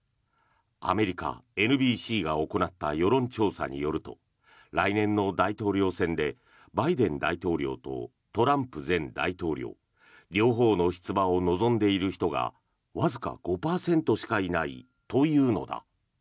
アメリカ・ＮＢＣが行った世論調査によると来年の大統領選でバイデン大統領とトランプ前大統領両方の出馬を望んでいる人がわずか５％しかいないというのだ。